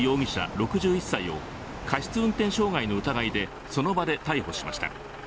６１歳を過失運転傷害の疑いでその場で逮捕しました。